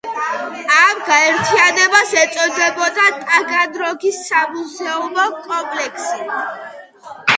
ამ გაერთიანებას ეწოდებოდა „ტაგანროგის სამუზეუმო კომპლექსი“.